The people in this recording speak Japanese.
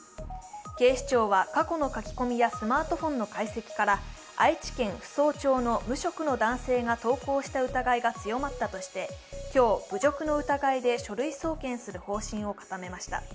警視庁は過去の書き込みやスマートフォンの解析から愛知県扶桑町の無職の男性が投稿した疑いが強まったとして今日、侮辱の疑いで書類送検する方針を固めました。